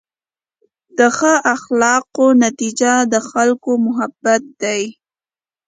د ښه اخلاقو نتیجه د خلکو محبت دی.